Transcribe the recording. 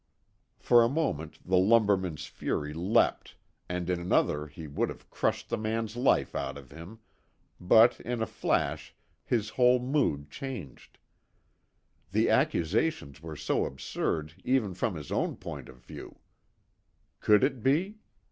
For a moment the lumberman's fury leapt and in another he would have crushed the man's life out of him, but, in a flash, his whole mood changed. The accusations were so absurd even from his own point of view. Could it be?